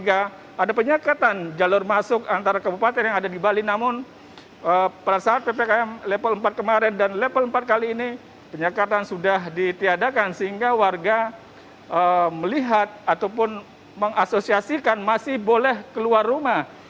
ada penyekatan jalur masuk antar kabupaten yang ada di bali namun pada saat ppkm level empat kemarin dan level empat kali ini penyekatan sudah ditiadakan sehingga warga melihat ataupun mengasosiasikan masih boleh keluar rumah